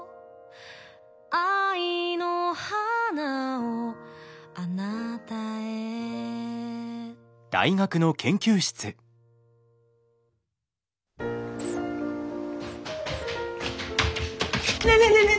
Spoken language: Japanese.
「愛の花を貴方へ」ねえねえねえねえ！